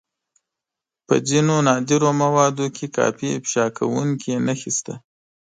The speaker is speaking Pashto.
په ځينو نادرو مواردو کې کافي افشا کوونکې نښې شته.